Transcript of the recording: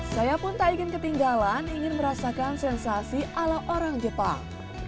saya pun tak ingin ketinggalan ingin merasakan sensasi ala orang jepang